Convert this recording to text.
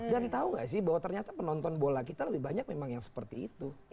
dan tau gak sih bahwa ternyata penonton bola kita lebih banyak memang yang seperti itu